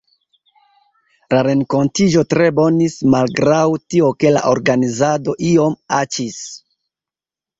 La renkontiĝo tre bonis, malgraŭ tio ke la organizado iom aĉis.